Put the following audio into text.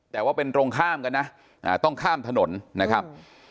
แต่ว่าเป็นตรงข้ามกันนะต้องข้ามถนนนะครับ